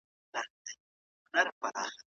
د هري مسئلې پوښته درڅخه کولای سي.